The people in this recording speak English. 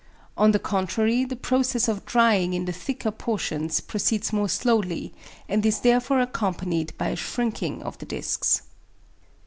On the contrary the process of drying in the thicker portions proceeds more slowly, and is therefore accompanied by a shrinking of the discs.